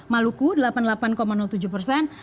maluku delapan puluh delapan tujuh persen